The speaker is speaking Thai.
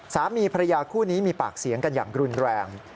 สามีภรรยาคู่นี้มีปากเสียงกันอย่างรุนแรง